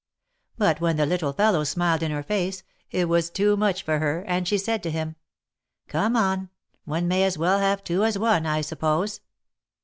But when the little fellow smiled in her face, it was too much for her, and she said to him :" Come on, one may as well have two as one, I suppose."